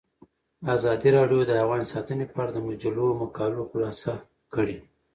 ازادي راډیو د حیوان ساتنه په اړه د مجلو مقالو خلاصه کړې.